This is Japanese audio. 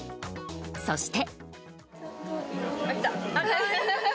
そして。